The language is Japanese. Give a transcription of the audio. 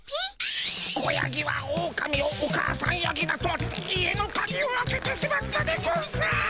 子ヤギはオオカミをお母さんヤギだと思って家のカギを開けてしまったでゴンス。